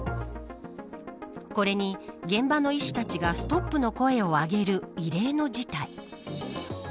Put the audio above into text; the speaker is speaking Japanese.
これに現場の医師たちがストップの声を上げる異例の事態。